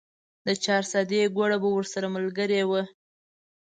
د چارسدې ګوړه به ورسره ملګرې وه.